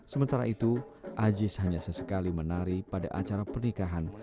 sementara itu aziz hanya sesekali menari pada acara pernikahan